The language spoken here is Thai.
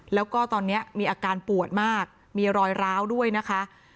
แล้วก็ตอนนี้มีอาการปวดมากมีรอยร้าวด้วยนะคะ